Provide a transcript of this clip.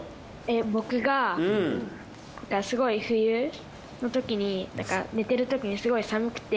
僕がすごい冬のときに寝てるときにすごい寒くて。